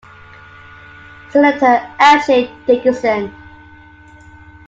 Senator L. J. Dickinson.